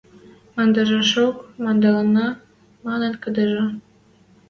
— Мондашыжок мондыделна, — маныт кыдыжы.